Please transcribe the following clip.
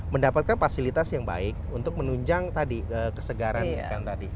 mendapatkan fasilitas yang baik untuk menunjang tadi kesegaran ikan tadi